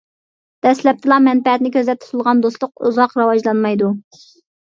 دەسلەپتىلا مەنپەئەتنى كۆزلەپ تۇتۇلغان دوستلۇق ئۇزاق راۋاجلانمايدۇ.